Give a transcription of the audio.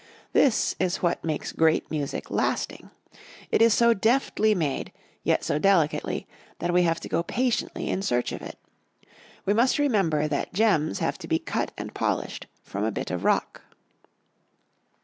This is what makes great music lasting. It is so deftly made, yet so delicately, that we have to go patiently in search of it. We must remember that gems have to be cut and polished from a bit of rock.